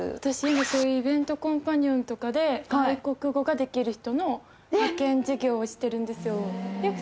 今そういうイベントコンパニオンとかで外国語ができる人の派遣事業をしてるんですよ